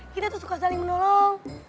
kita tuh suka saling menolong